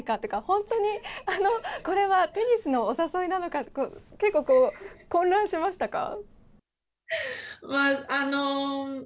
本当にこれはテニスのお誘いなのかって結構、混乱しましたか？